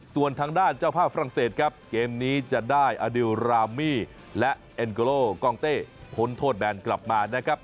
ส่วนทางด้านเจ้าภาพฝรั่งเศสครับเกมนี้จะได้อดิวรามี่และเอ็นโกโลกองเต้พ้นโทษแบนกลับมานะครับ